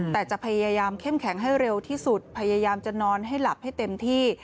แต่จะพยายามเข้มแข็งให้เร็วที่สุดพยายามจะนอนให้หลับให้เต็มที่